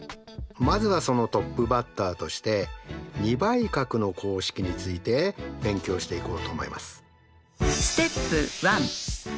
まずはそのトップバッターとして２倍角の公式について勉強していこうと思います。